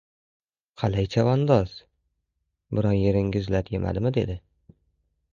— Qalay, chavandoz, biron yeringiz lat yemadimi? — dedi.